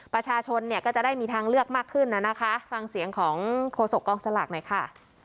ประชาชนเนี่ยก็จะได้มีทางเลือกมากขึ้นน่ะนะคะฟังเสียงของโฆษกองสลากหน่อยค่ะ